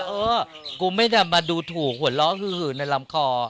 เออกูไม่ได้มาดูถูกหัวเราะคือหื่นในลำคอ